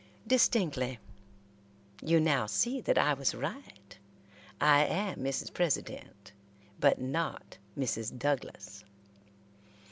"Distinctly. You now see that I was right. I am Mrs. President, but not Mrs. Douglas."